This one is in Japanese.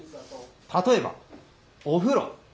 例えば、お風呂。